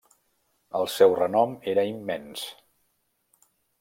El seu renom era immens.